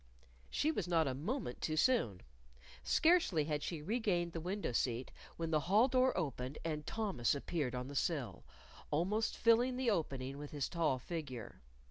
She was not a moment too soon. Scarcely had she regained the window seat, when the hall door opened and Thomas appeared on the sill, almost filling the opening with his tall figure.